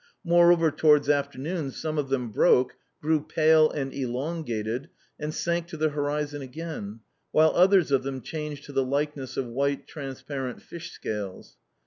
Moreover, towards afternoon some of them broke, grew pale and elongated, and sank to the horizon again, while others of them changed to the likeness of white transparent fish scales.